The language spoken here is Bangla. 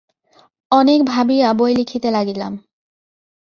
অনেক ভাবিয়া বই লিখিতে লাগিলাম।